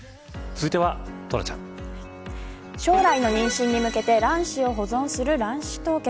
将来の妊娠に向けて卵子を保存する卵子凍結。